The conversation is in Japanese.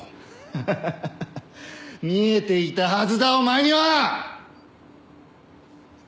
ハハハハ見えていたはずだお前には！